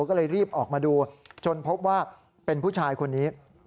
ก็เลยรีบออกมาดูจนพบว่าเป็นผู้ชายคนนี้